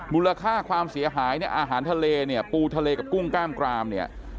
มูลค่าความเสียหายเนี่ยอาหารทะเลเนี่ยปูทะเลกับกุ้งกล้ามกรามเนี่ย